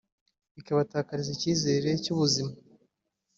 bikabatakariza icyizere cy’ubuzima